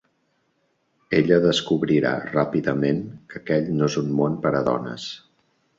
Ella descobrirà ràpidament que aquell no és un món per a dones.